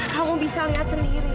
kamu bisa lihat sendiri